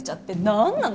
何なの？